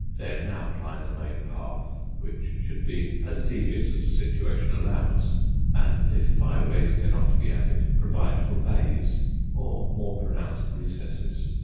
Then outline the main path, which should be as devious as the situation allows, and, if byways cannot be added, provide for bays, or more pronounced recesses.